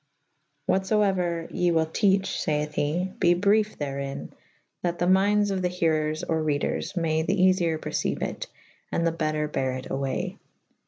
what fo euer ye wyll teache (fayth he) be brief therin / that the myndes of the herers or reders may the eafiyer perceyue it / and the better bere it away.